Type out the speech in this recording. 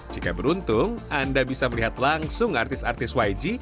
jika beruntung anda bisa melihat langsung artis artis yg